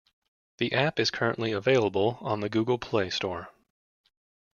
The app is currently available on the Google Play Store.